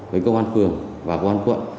với công an phường và công an quận